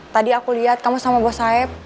tadi aku lihat kamu sama bos saib